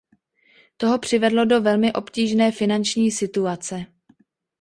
To ho přivedlo do velmi obtížné finanční situace.